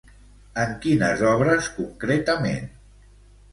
En quines obres concretament?